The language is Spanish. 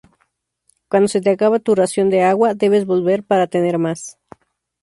Cuando se te acaba tu ración de agua, debes volver para tener más.